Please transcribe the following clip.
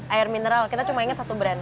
air mineral kita cuma ingat satu brand